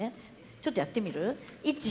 ちょっとやってみる？